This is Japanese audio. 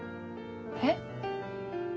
えっ？